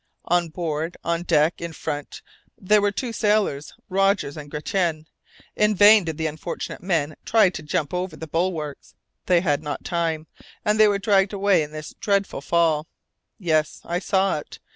On board, on deck, in front, there were two sailors, Rogers and Gratian. In vain did the unfortunate men try to jump over the bulwarks, they had not time, and they were dragged away in this dreadful fall. Yes! I saw it!